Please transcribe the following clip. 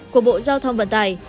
của bộ giao thông vận tải